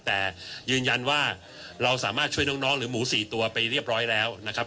แต่ยืนยันว่าเราสามารถช่วยน้องหรือหมู๔ตัวไปเรียบร้อยแล้วนะครับ